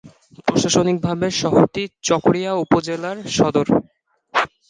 প্রশাসনিকভাবে শহরটি চকরিয়া উপজেলার সদর।